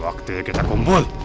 waktunya kita kumpul